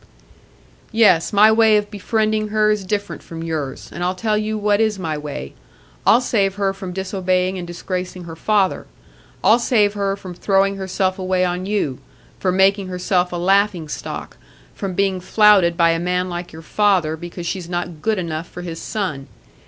"Yes, my way of befriending her is different from yours; and I'll tell you what is my way. I'll save her from disobeying and disgracing her father; I'll save her from throwing herself away on you,—from making herself a laughing stock,—from being flouted by a man like your father, because she's not good enough for his son.